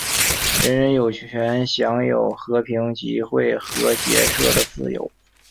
人人有权享有和平集会和结社的自由。